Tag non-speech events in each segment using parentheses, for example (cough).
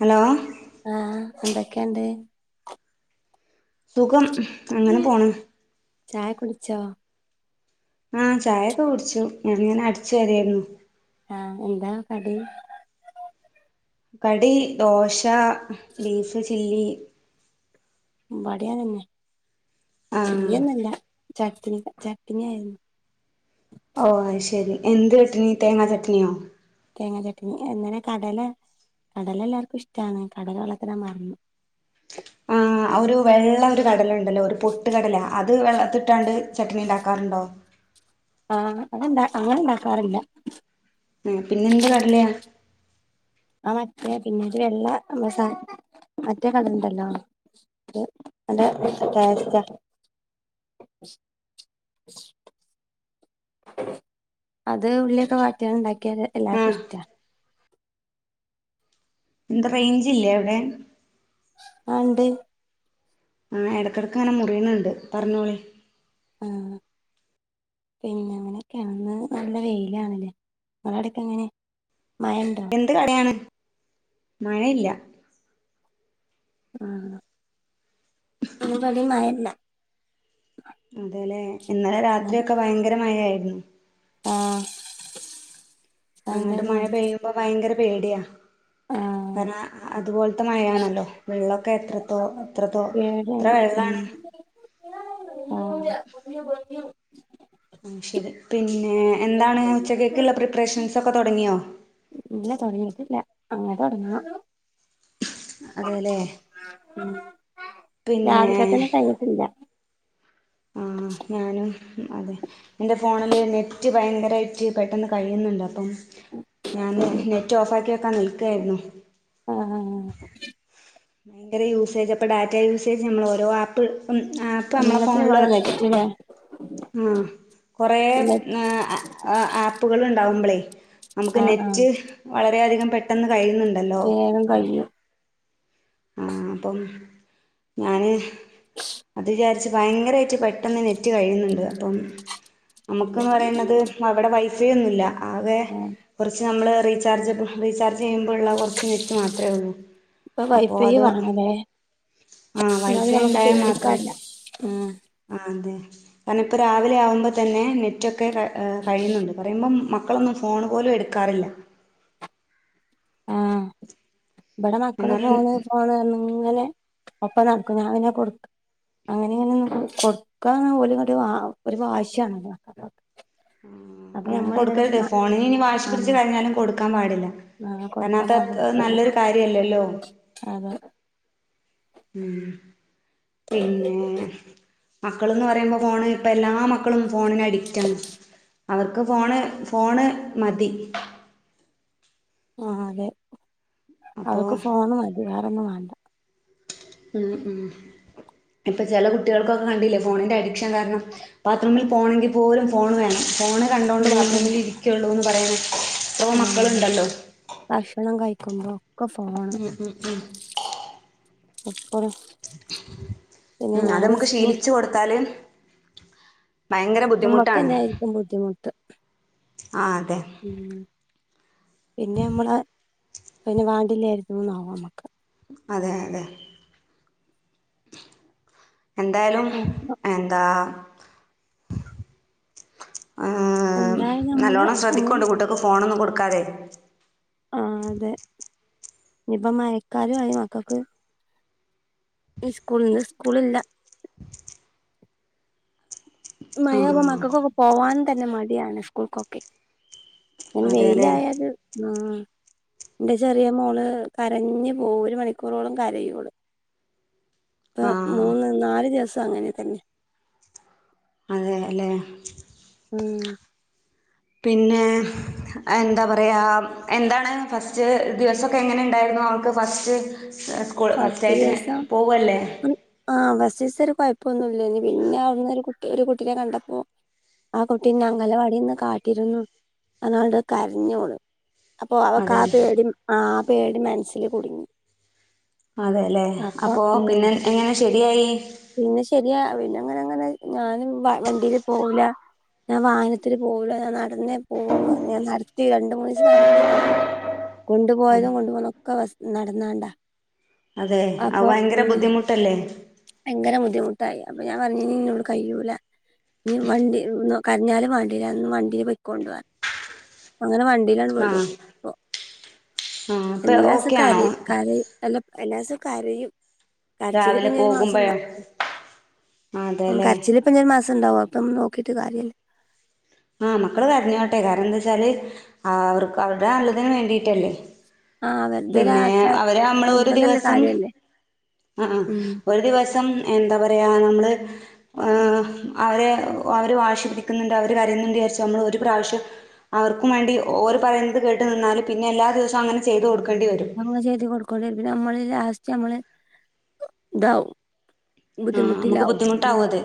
Hello ആഹ് എന്തൊക്കെയുണ്ട് സുഖം അങ്ങനെ പോണ് ചായ കുടിച്ചോ ആഹ് ചായൊക്കെ കുടിച്ചു ഞാനിങ്ങനെ അടിച്ചുവാരായിരുന്നു ആഹ് എന്താ കടി കടി ദോശ ബീഫ് ചില്ലി ഇബടിം അതന്നെ ആഹ് ചില്ലിയൊന്നുഅല്ല ചട്ട്നി ചട്ട്നിഅ ഓ ശെരി എന്ത് ചട്ടനി തേങ്ങാ ചട്ടനിയോ തേങ്ങാ ചട്ടനി എങ്ങനെ കടല കടല എല്ലാവർക്കും ഇഷ്ടമാണ് കടല വെളത്തിൽ ഇടാൻ മറന്നു ആഹ് ഒരു വെള്ള ഒരു കടലുണ്ടല്ലോ ഒരു പൊട്ട് കടലാ അത് വെള്ളത്തി ഇട്ടാണ്ട് ചട്നി ഉണ്ടാക്കാറുണ്ടോ ആഹ് അങ്ങെ അങ്ങനെ ഉണ്ടാക്കാറില്ല ഉം പിന്നെന്ത് കടലയ ആ മറ്റേ പിന്നെ ഒരു വെള്ള മറ്റേ കടലണ്ടല്ലോ (unintelligible) അത് ഉള്ളിയൊക്കെ വാട്ടിയാണ് ണ്ടാക്കിയത് എല്ലർക്കും ആഹ് ഇഷ്ടാ എന്താ റേഞ്ച് ഇല്ലേ അവിടെ ആഹ് ണ്ട് ആഹ് എട്ക്കെട്ക്ക് ഇങ്ങനെ മുറിയുന്നുണ്ട് പറഞ്ഞോളി ആഹ് പിന്നെ അങ്ങനൊക്കെയാണ് അങ്ങ് നല്ല വെയിലാണ്ലേ നിങ്ങളടക്കെങ്ങനെ മയണ്ടോ എന്ത് കടയാണ് മഴയില്ല ആഹ് ഇന്ന് ഇപടിം മയല്ല എന്താലേ ഇന്നലെ രാത്രിഒക്കെ ഭയങ്കര മഴ ആയിരുന്നു ആഹ് അങ്ങട്ട് മഴ പെയ്യുമ്പോ ഭയങ്കര പേടിയാ ആഹ് കാരണം അതുപോൽ ക്തമായയാണല്ലോ വെള്ളൊക്കെ എത്രത്തോ എത്രത്തോ എത്ര ഏഴാണ് ഉം വെള്ളാണ് (unintelligible) അഹ് ശരി പിന്നെ എന്താണ് ഉച്ചക്കേക്കുള്ള പ്രിപ്പറേഷൻസൊക്കെ തൊടങ്ങിയോ ഇല്ല തൊടങ്ങിയിട്ടില്ല അങ്ങനെ തൊടങ്ങണം അതെല്ലേ ഉം പിന്നെ രാവിൽക്കതന്നെ കഴിഞ്ഞിട്ടില്ല ആഹ് ഞാനും അതെ എന്റെ ഫോണില് നെറ്റ് ഭയങ്കരായിട്ട് പെട്ടെന്ന് കഴിയുന്നുണ്ട് അപ്പം ഞാന് ശരി നെറ്റ് ഓഫ് ആക്കിവെക്കാൻ നിൽക്കായിരുന്നു ആഹ് ആഹ് ഭയങ്കര യൂസേജ് അപ്പൊ ഡാറ്റ യൂസേജ് നമ്മള് ഓരോ ആപ്പ് ആപ്പ് നമ്മളെ ഫോണില് പിന്നെ ആഹ് കൊറേ ആ ആ ആപ്പുകള്ണ്ടാവുമ്പളേ നമുക്ക് ആഹ് ആഹ് നെറ്റ് വളരെയധികം പെട്ടെന്ന് കഴിയുന്നുണ്ടല്ലോ വേഗം കഴിയും ആഹ് അപ്പം ഞാന് അത്ജാ ച്ച് ഭയങ്കരായിട്ട് പെട്ടെന്ന് നെറ്റ് കഴിയ്ന്ന്ണ്ട് അപ്പം നമുക്കന്ന് പറയുന്നത് അവടെ വൈഫൈ ഒന്നുല്ല ആകെ ആഹ് കൊറ്ച്ച് നമ്മൾ റീചാർജബിൾ റീചാർജ് ചെയ്യുമ്പള്ള കൊറ്ച്ച് നെറ്റ് മാത്രേ ഒള്ളൂ ഇപ്പൊ അപ്പോ വൈഫൈ അത് വേണല്ലേ ആഹ് എന്നാ പിന്നെ വൈഫൈ നമുക്ക് ണ്ടായാ മാത്രേ പേടിക്കാല്ല ഉം ആഹ് അതെ കാരണം ഇപ്പ രാവിലെ ആവുമ്പതന്നെ നെറ്റൊക്കെ ഏ കഴിയുന്നുണ്ട് പറയുമ്പോം മ ക്കളൊന്നും ഫോണ് പോലും എടുക്കാറില്ല ആഹ് ഇബടെ മക്കള് എന്നാലും ഫോണ് ഫോണ് അർഞ്ഞ് ഇങ്ങനെ ഒപ്പം നട്ക്കും ഞാൻ പിന്നെ കൊട്ക്ക അങ്ങനിഇങ്ങനെന്നും കൊടുക്കാ ഓല്ങേട്ട് വാ ഒര് വാശ്യാണല്ലോ അങ്ങനെ കൊട്ക്കരുത് ഫോണിന് ഇനി വാശി ആ പിടിച്ച് കരഞ്ഞാലും കൊട്ക്കാൻ പാടില്ല ആ കാരണം കൊടുക്കാൻ അത് പാടില്ല ത്ര നല്ലൊരു കാര്യല്ലല്ലോ അതെ ഉം പിന്നെ മക്കള്ന്ന് പറയുമ്പോ ഫോണ് പ്പ എല്ലാ മക്കളും ഫോണിന് അഡിക്റ്റാണ് അവർക്ക് ഫോണ് ഫോണ് മതി ആഹ് അതെ അപ്പോ അവർക്ക് ഫോണ് മതി വെറോന്നും വാണ്ട ഉം ഉം ഇപ്പ ചെല കുട്ടികൾക്കൊക്കെ കണ്ടില്ലെ ഫോണിന്റെ അഡിക്ഷൻ കാരണം ബാത്റൂമിൽ പോണെങ്കിൽ പോലും ഫോണ് വേണം ഫോണ് കണ്ടോണ്ട് ബാത്റൂമിൽ ഇരിക്കൊള്ളൂന്ന് പറയ്ണെ ആഹ് ഭക്ഷണം കഴിക്കുമ്പോക്കെ ഫോണ്. എപ്പഴും. പിന്നെ ഉം അത് ഞാന് മ്മക്ക് സ്കൂൾ ശീലിച്ച് കൊടുത്താല്. ഭയങ്കര ബുദ്ധിമുട്ടാണ് നമ്മക്കന്നെ ആയിരിക്കും ബുദ്ധിമുട്ട് ആഹ് അതെ. ഉം പിന്നെ നമ്മളെ പിന്നെ വാണ്ടില്ലേര്ന്നു ന്നാകും നമ്മക്ക്. അതെ, അതെ. എന്തായാലും ആ എന്താ. ഉം എന്തായാലും നമ്മള് നല്ലോണം അങ്ങനെ ശ്രദ്ധിക്കൊണ്ടു കുട്ടോക്ക് ഫോണൊന്നും കൊട്ക്കാതെ. ആഹ് അതെ ഇനിപ്പ മഴക്കാലായി മക്കക്ക്. ഇ സ്കൂള് ഇന്ന് സ്കൂള്ല്ല. ആ മഴാവുമ്പോ മക്കക്കൊക്കെ പോവാൻ തന്നെ മടിയാണ് സ്കൂൾക്കൊക്കെ. ഇനി അതെല്ലേ വെയിലായാല്. ആഹ് ന്റെ ചെറിയ മോള് കരഞ്ഞ് പോവും ഒര് മണിക്കൂറോളം കരയും ഓള്. പ്പ ആ മൂന്ന് നാല് ദിവസം അങ്ങനെ തന്നെ. അതെ ല്ലേ. ഉം പിന്നെ. എന്താ പറയാ എന്താണ് ഫസ്റ്റ് ദിവസൊക്കെ എങ്ങനെണ്ടായിരുന്നു അവക്ക് ഫസ്റ്റ്. സ്കൂൾ ഫസ്റ്റായിട്ടിന് പോവല്ലേ. ആഹ് ഫസ്റ്റിസൊര് കൊയ്പ്പോന്നുല്ലേനി പിന്നെ അവ്ട്ന്നൊര് കുട്ടി ഒര് കുട്ടീനെ കണ്ടപ്പോ. ആ കുട്ടി ന്നെ അംഗലവാടിന്ന് കാട്ടിരുന്നു എന്നാണ്ട് കര്ഞ്ഞോള്. അപ്പൊ അവക്ക് ആ അതെ പേടിം ആ പേടിം മനസ്സില് കുട്ങ്ങി. അതെല്ലേ അപ്പോ ഉം പിന്നെ എങ്ങനെ ശരിയായി. പിന്നെ ശെരിയാ പിന്നെങ്ങനെങ്ങനെ ഞാന് വ വണ്ടിയില് പോവുല. ഞാൻ വാഹനത്തില് പോവൂല ഞാൻ നടന്നേ പോവോള്ളു ഞാൻ നടത്തി രണ്ട് മൂന്നിസം നടത്തികൊണ്ടോ കൊണ്ട് അതെ പോയതും കൊണ്ട് പോന്നതൊക്കെ പസ് നടന്നാണ്ടാ. അതെ അത് അപ്പൊ ഭയങ്കര ഉം ബുദ്ധിമുട്ടല്ലേ. ഭയങ്കര ബുദ്ധിമുട്ടായി അപ്പൊ ഞാൻ പറഞ്ഞിനി ഇന്നോട് കഴിയൂല. ഇഞ് വണ്ടി കരഞ്ഞാലും വാണ്ടില ഇന്ന് വണ്ടില് പോയ്ക്കൊണ്ടു പറ്ഞ്ഞു അങ്ങനെ വണ്ടി. ണ്ടിലാൻണ്ട് ആ വിടും ആ ഇപ്പൊ എല്ലാസോം ഓക്കെ ആണോ കരയും, കരയും. എല്ലാ എല്ലാസോം കരയും. കരച്ചില് രാവിലെ പ്പഞ്ഞി ഒര് പോകുമ്പോഴോ മാസംണ്ടാവും അതെല്ലേ കരച്ചില്. ഇപ്പഞ്ഞൊര് മാസണ്ടാവും അത്പ്പം നോക്കിട്ട് കാര്യല്ല. ആഹ് മക്കള് കരഞ്ഞോട്ടെ കാരണം എന്താച്ചാല് അവർക്ക് അവർടെ നല്ലതിന് വേണ്ടിട്ടല്ലേ. ആഹ് പിന്നെ വെറുതൊരാച്ച അവരെ നമ്മള് ഒരു നിർബന്ധല്ല ദിവസം. കാര്യല്ലേ ആ, ആ ഉം ഒരു ദിവസം എന്താ പറയാ നമ്മള്. അവരെ അവര് വാശി പിടിക്ക്ന്ന്ണ്ട് അവര് കരയ്ന്ന്ണ്ട് വിയാര്ച്ച് നമ്മള് ഒരു പ്രാവശ്യം. അവർക്കും വേണ്ടി ഓര് പറയുന്നത് കേട്ട് നിന്നാല് പിന്നെ എല്ലാ ദിവസും അങ്ങനെ ചെയ്ത് കൊടുക്കണ്ടി വരും. അങ്ങനെ ചെയ്ത് കൊടുക്കോണ്ടി വരും പിന്നെ നമ്മള് ലാസ്റ്റ് നമ്മള് ഇതാവും. ആഹ് അമ്മക്ക് ബുദ്ധിമുട്ടിലാവും ഉം ബുദ്ധിമുട്ടാവൊത്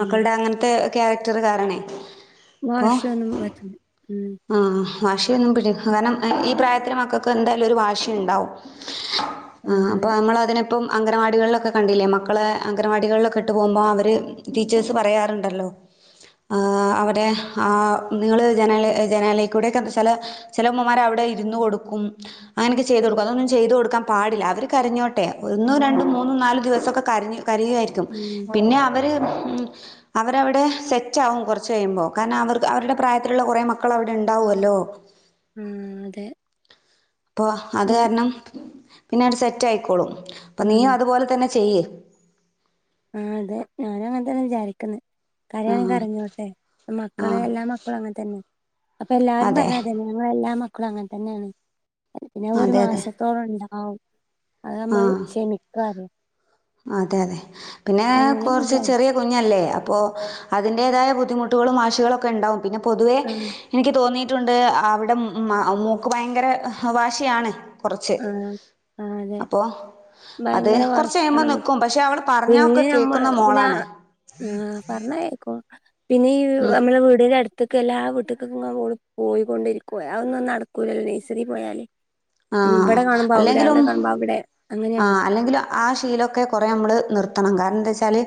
ഉം അങ്ങൻത്തെ ക്യാരക്ടർ കാരണേ. വാശിയൊന്നും (unintelligible) ഉം ആഹ് വാശിയൊന്നും പിടി കാരണം ഈ പ്രായത്തില് മക്കക്ക് എന്തായാലും ഒരു വാശിയിണ്ടാവും. ആഹ് ഇപ്പ അമ്മളതിനപ്പം അംഗനവാടികള്ലൊക്കെ കണ്ടില്ലേ മക്കളെ. അംഗനവാടികള്ലൊക്കെ ഇട്ട് പോകുമ്പോ അവര് ടീച്ചേഴ്സ് പറയാറ്ണ്ടല്ലോ. ആഹ് അവടെ ആ നിങ്ങള് ജനാല് ജനാലേക്കൂടെക്കെ ചെല ചെല ഉമ്മമാര് അവിടെ ഇരുന്ന് കൊടുക്കും അങ്ങനൊക്കെ ചെയ്തു കൊടുക്കും അതൊന്നും ചെയ്ത് കൊടുക്കാൻ പാടില്ല അവര് കരഞ്ഞോട്ടെ ഒന്നൊ രണ്ടും മൂന്നും നാല് ദിവസൊക്കെ കരഞ്ഞ് കരയുയാരിക്കും ഉം പിന്നെ അവര് അവരവിടെ സെറ്റാകും കുറച്ച് കഴിയുമ്പോ കാരണം അവർക്ക് അവരുടെ പ്രായത്തിലുള്ള കുറേ മക്കള് അവിടെ ഇണ്ടാവൊല്ലോ ഉം അതെ ഇപ്പോ അത് കാരണം പിന്നെ ആണ്ട് സെറ്റായിക്കോളും അപ്പം നീ ഉം അതുപോലെ തന്നെ ചെയ്യ് ആഹ് അതെ ഞാനങ്ങൻ തന്നെ വിചാരിക്ക്ന്ന് കരിയാണെങ്കി ആ കരഞ്ഞോട്ടെ ആ മക്കളെ എല്ലാ മ ക്കളും അങ്ങൻ തന്നെ അപ്പ എല്ലാരും അതെ പറിണതന്നെ ഞങ്ങള എല്ലാ മക്കളും അങ്ങൻ തന്നേണ് പിന്നെ അഒരു അതെ അതെ മാസത്തോളം ഇണ്ടാവും അഹ് അമ്മള് ആ ക്ഷമിക്കാ അറിയും അതെ അതെ പിന്നെ അങ്ങനെ കാെറച്ച് വിചാരിച്ച് ചെറിയ കു ഞ്ഞല്ലേ അപ്പോ അതിന്റേതായ ബുദ്ധിമുട്ടുകളും വാശികളൊക്കെ ഇണ്ടാവും പിന്നെ പൊതുവെ ആഹ് എനിക്ക് തോന്നിയിട്ടുണ്ട് അവിടെം മൊ മൂക്ക് ഭയങ്കര വാശിയാണ് കുറച്ച് ആഹ് ആഹ് അതെ അപ്പോ അത് ഭയങ്കര കൊറ് വാശിയാണ് മ്പം നമുക്ക്. നിക്കും പക്ഷെ അവൾ പറഞ്ഞാ ഒക്കെ പിന്നെ നമ്മൾ കേക്കുന്ന പിന്നെ മോളാണ് ആഹ് പറഞ്ഞാ കേക്കും പിന്നെ ഈ ഉം. നമ്മളെ വീടിന്റെ അട് ത്ത്ക്ക് എല്ലാ വീട്ട്ക്ക് ഇങ്ങനെ ഓള് പോയിക്കൊണ്ടിരിക്കും അഒന്നും നടക്കൂലല്ലോ നഴ്സറി പോയാല് ഉം ആഹ് ഇവടെ കാണുമ്പൊ അവ്ടെ അവ്ടെ കാണുമ്പൊ അവ്ടെ ആഹാ അല്ലങ്കിലും ആ ശീലൊക്കെ കുറേ അമ്മള് നിർത്തണം കാരണം എന്താച്ചാല്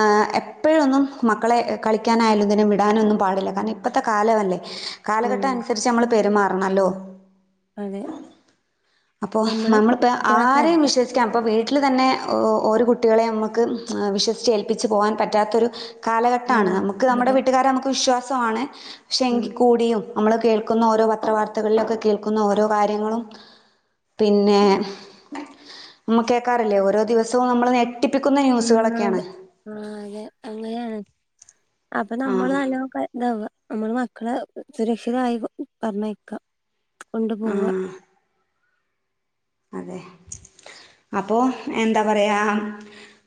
ആഹ് എപ്പഴൊന്നും മക്കളെ കളിക്കാനായാലും ഇതിനും വിടാനൊന്നും പാടില്ല കാരണം ഇപ്പത്തെ കാലമല്ലേ കാലഘട്ടം ഉം അനുസരിച്ച് അമ്മള് പെരുമാറണല്ലോ അതെ അപ്പൊ നമ്മള് നമ്മള്പ്പ ആ കുട്ടികളൊക്കെ എത്ത വിശ്വസിക്കാം ഇപ്പം വീട്ടില് തന്നെ ഒര് കുട്ടികളെയും അമ്മക്ക് വിശ്വസിച്ച് ഏൽപ്പിച്ച് പോവാൻ പറ്റാത്തൊരു കാലഘട്ട ആണ് ആഹ് അമുക്ക് അമ്മുടെ അതെ വീട്ടുകാരെ അമുക്ക് വിശ്വാസമാണ് പക്ഷെ ഉം എങ്കിൽ കൂടിയും അമ്മള് കേൾക്കുന്ന ഓരോ പത്ര വർത്തകളിലൊക്കെ കേൾക്കുന്ന ഓരോ കാര്യങ്ങളും പിന്നെ അമ്മ കേക്കാറില്ലേ ഓരോ ദിവസവും അമ്മള് നേ ഉം അട് ആ അതെ അങ്ങനേണ് അപ്പൊ ആ നമ്മള് നല്ലോം ക ഇതാവാ അമ്മള് മക്കളെ സുരക്ഷിതായി കൊ പറഞ്ഞയ്ക്കാ കൊണ്ട് ആ പോവാ അതെ അപ്പോ എന്താ പറയാ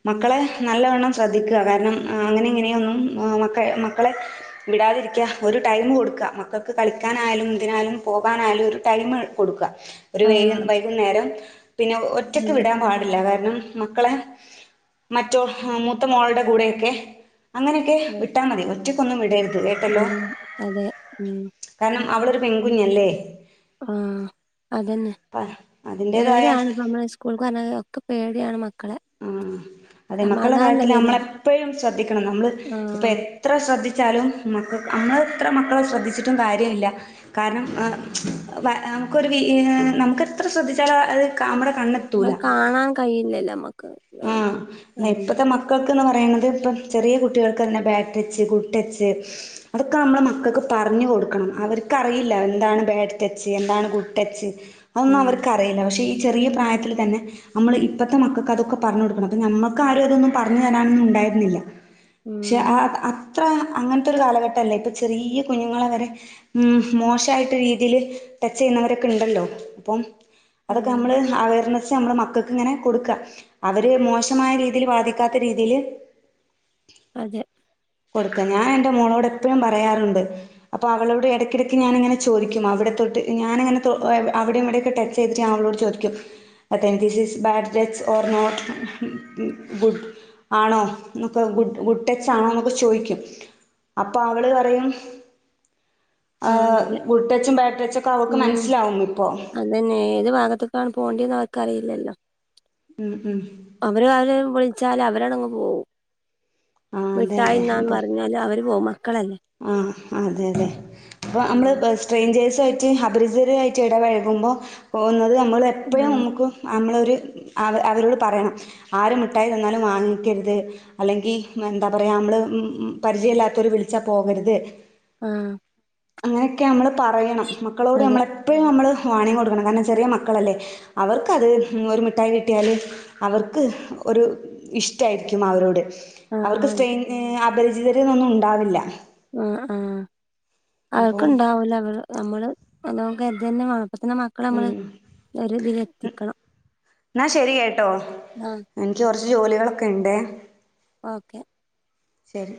മക്കളെ നല്ലവണ്ണം ശ്രദ്ധിക്കാ കാരണം അങ്ങനെ ഇങ്ങനെയൊന്നും മക്ക മക്കളെ വിടാതിരിക്കാ ഒരു ടൈമ് കൊട്ക്കാ മക്കക്ക് കളിക്കാനായാലും ഇതിനായാലും പോകാനായാലും ഒരു ടൈമ് കൊട്ക്കാ ഒരു വൈക് ആഹ് വൈകുന്നേരം പിന്നെ ഒറ്റക്ക് അതെ വിടാം പാടില്ല കാരണം മക്കളെ മറ്റോ മൂത്ത മോള്ടെ കൂടെയൊക്കെ അങ്ങനെക്കെ ആഹ് വിട്ടാ മതി ഒറ്റക്കൊന്നും വിടര്ത് കേട്ടല്ലോ ഉം അതെ ഉം കാരണം അവളൊരു പെൺകുഞ്ഞല്ലേ ആഹ് അതന്നെ അപ്പം ഏഴ് അതിൻ്റെതായ ആൺക്കു അമ്മളെ സ്കൂൾക്ക് പറഞ്ഞയ ഒക്കെ പേടിയാണ് മ ഉം അതെ മക്കളെ കാര്യത്തിൽ വരോ നമ്മളെപ്പോഴും ശ്രദ്ധിക്കണം നമ്മൾ ഇപ്പം എ ആഹ് ത്ര ശ്രദ്ധിച്ചാലും മക്കൾ അമ്മൾ ഇത്ര മക്കളെ ശ്രദ്ധിച്ചിട്ടും കാര്യമില്ല കാരണം നമുക്കൊരു നമുക്ക് എത്ര ശ്രദ്ധിച്ചാല അത് നമ്മുടെ കണ്ണത്തൂ നമ്മ കാണാൻ കഴിയില്ലല്ലോ നമ്മക്ക് ആഹ് എന്ന ഉം ഇപ്പത്തെ മ ക്കക്ക്ന്ന് പറയുന്നത് ഇപ്പം ചെറിയ കുട്ടികൾക്ക് തന്നെ ബാറ്റച്ച് കുട്ടച്ച് അതൊക്കെ നമ്മളെ മക്കക്ക് പറഞ്ഞു കൊടുക്കണം അവർക്കറിയില്ല എന്താണ് ബേഡ്റ്റച്ച് എന്താണ് ഗുട്ടച്ച് അതൊന്നും ഉം അവർക്കറിയില്ല പക്ഷേ ഈ ചെറിയ പ്രായത്തിൽ തന്നെ നമ്മൾ ഇപ്പോഴത്തെ മക്കക്ക് അതൊക്കെ പറഞ്ഞ കൊടുക്കണം അപ്പ നമ്മക്ക് ആരും അതൊന്നും പറഞ്ഞു തരാനൊന്നും ഉണ്ടായിരുന്നില്ല പക്ഷെ ഉം. അത്ര അങ്ങനത്തെൊരു കാലഘട്ടല്ലേ ഇപ്പ ചെറിയ കുഞ്ഞുങ്ങളെ വരെ മോശമായിട്ട രീതിൽ ടച്ച് ചെയ്യുന്നവരൊക്കെ ഉണ്ടല്ലോ അപ്പം അതൊക്കെ ആഹ് നമ്മള് അവയർനെസ്സ് നമ്മള് മക്കൾക്ക് ഇങ്ങനെ കൊടുക്ക അവര് മോശമായ രീതിൽ ബാധിക്കാത്ത രീതിയില് അതെ കൊടുക്ക ഞാൻ എൻറെ മോളോട് എപ്പോഴും പറയാറുണ്ട് അപ്പൊ അവളോട് ഇടക്കിടക്ക് ഞാനിങ്ങന ചോദും അവിടെ തൊട്ട് ഞാനങ്ങനെ അവിടെയും ഇവിടെക്കൊട്ട ചെയ്തിട്ട ഞാ അവളോട് ചോദിക്കും എൻസിസ് ബാഡ് ഡെറ്റ്സ് ഓർനോർ ഗുട് ആണോ എന്നൊക്കെ ഗുട് ഗുട് ടെച്ച് ആണോ എന്നൊക്കെ ചോദിക്കും അപ്പൊ അവള് പറയും ആഹ് ഗുട് ടച്ചും ബാഡ് ടച്ചൊക്കെ അവക്ക് ഉം മനസ്സിലാവും ഇപ്പൊ അതന്നെ ഏത് ഭാഗത്തേക്കാണ് പോകേണ്ടന്ന് അവർക്ക് അറിയില്ലല്ലോ ഉം ഉം അവര അവരെ വിളിച്ചാല് അവരടങ്ങ് പോവും ആ അതെ അതെ മിഠായിന്നാന്ന് അപ്പൊ പറഞ്ഞല് അവര് പോവും മക്കളല്ലേ ആഹ് അതെ അതെ അപ്പൊ നമ്മള് ഉം ബസ്റ്റ് സ്ട്രേഞ്ചേഴ്സ ആയിട്ട് അപരിചിതരായിട്ട് ഇടപഴകുമ്പോൾ പോകുന്നത് നമ്മൾ എപ്പോഴും ആഹ് നമുക്ക് നമ്മളൊരു അവ അവരോട് പറയണം ആര് മിഠായി തന്നാലും വാങ്ങിക്കരുത് അല്ലെങ്കി എന്താ പറയാ നമ്മള് പരിചയമല്ലാത്തരു വിളിച്ചാ പോകരുത് ആഹ് അങ്ങനെയൊക്കെ നമ്മള് പറയണം മക്കളോട് അതെ നമ്മളെ ഇപ്പോഴും നമ്മൾ വാണിയം കൊടുക്കണം കാരണം ചെറിയ മക്കളല്ലേ അവർക്ക് അത് ഒരു മിഠായി കിട്ടിയാല് അവർക്ക് ഒരു ഇഷ്ടായിരിക്കും അവരോട് ആഹ് അവർക്ക് അതെ സ്ട്രെയിൻ അപരിചിതര്ന്നും ഉണ്ടാവില്ല ആഹ് ആഹ് അപ്പം അവർക്ക്ണ്ടാവൂല അവർ നമ്മള് നമുക്ക (unintelligible) ഉം എന്നാ ശരി കേട്ടോ ആഹ് എനിക്ക് കുറച്ച് ജോലികളൊക്കെ ഉണ്ടേ ഓക്കെ ശരി